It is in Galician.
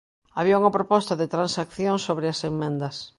Había unha proposta de transacción sobre as emendas.